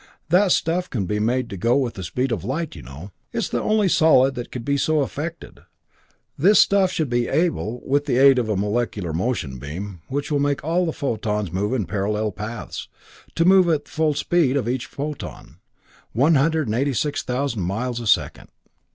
That stuff can be made to go with the speed of light, you know. It's the only solid that could be so affected. This stuff should be able, with the aid of a molecular motion beam, which will make all the photons move in parallel paths, to move at the full speed of each photon 186,000 miles a second.